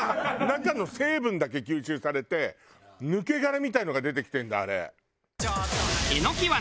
中の成分だけ吸収されて抜け殻みたいなのが出てきてるんだあれ。